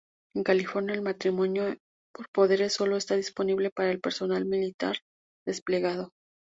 En California, el matrimonio por poderes sólo está disponible para el personal militar desplegado.